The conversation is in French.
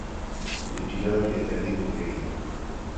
L'épilogue est à découvrir.